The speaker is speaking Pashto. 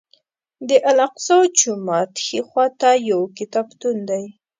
د الاقصی جومات ښي خوا ته یو کتابتون دی.